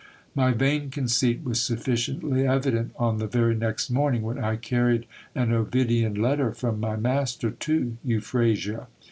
My vain conceit was sufficiently evident on the very next morning, when I carried an Ovidian letter from my master to Euphrasia.